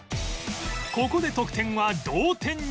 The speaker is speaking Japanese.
ここで得点は同点に